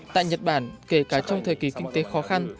tại nhật bản kể cả trong thời kỳ kinh tế khó khăn